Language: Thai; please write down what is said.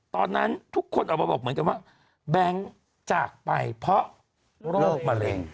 ตอนนั้นทุกคนออกมาบอกเหมือนกันว่าแบงค์จากไปเพราะโรคมะเร็ง